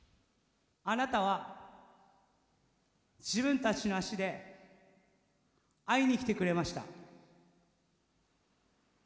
あなたは自分たちの足で会いに来てくれました。